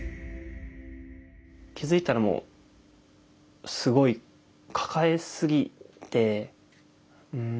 気付いたらもうすごい抱えすぎてうん。